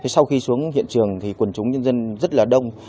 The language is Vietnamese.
sau khi xuống hiện trường thì quần chúng nhân dân rất là đông